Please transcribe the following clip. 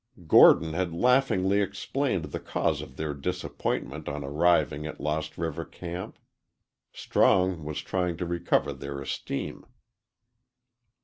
Gordon had laughingly explained the cause of their disappointment on arriving at Lost River camp. Strong was trying to recover their esteem.